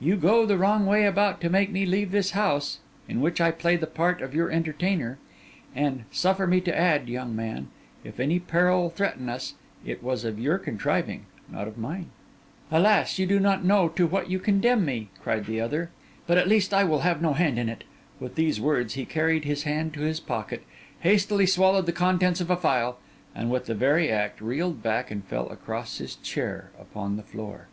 You go the wrong way about to make me leave this house, in which I play the part of your entertainer; and, suffer me to add, young man, if any peril threaten us, it was of your contriving, not of mine.' 'Alas, you do not know to what you condemn me,' cried the other. 'But I at least will have no hand in it.' With these words he carried his hand to his pocket, hastily swallowed the contents of a phial, and, with the very act, reeled back and fell across his chair upon the floor.